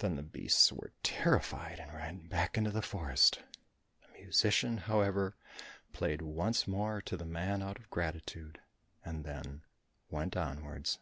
Then the beasts were terrified and ran back into the forest. The musician, however, played once more to the man out of gratitude, and then went onwards.